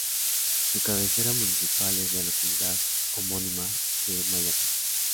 Su cabecera municipal es la localidad homónima de Mayapán.